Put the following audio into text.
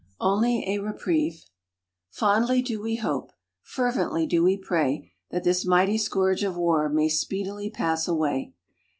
ONLY A REPRIEVE _Fondly do we hope, fervently do we pray, that this mighty scourge of War may speedily pass away.